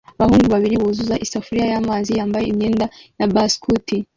Abahungu babiri buzuza isafuriya y'amazi bambaye imyenda y'abaskuti